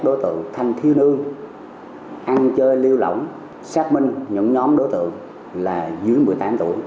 đối tượng thanh thiếu niên ăn chơi lưu lỏng xác minh những nhóm đối tượng là dưới một mươi tám tuổi